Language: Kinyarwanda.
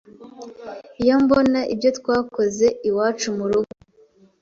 iyo mbona ibyo twakoze iwacu mu rugo